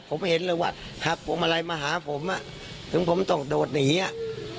ผมเห็นเลยว่าหักพวงมาลัยมาหาผมอ่ะถึงผมต้องโดดหนีอ่ะ